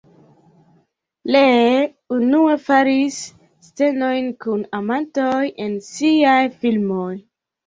Lee unue nur faris scenojn kun amantoj en siaj filmoj.